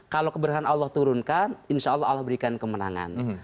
kalau keberkahan allah turunkan insya allah allah berikan kemenangan